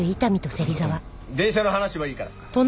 電車の話はいいから。